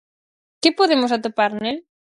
Que podemos atopar nel?